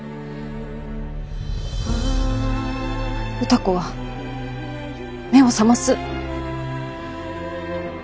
歌子は目を覚ます。